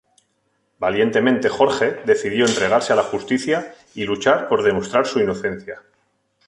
Valientemente Jorge decidió entregarse a la justicia y luchar por demostrar su inocencia.